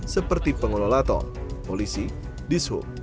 seperti pengelola tol polisi dishub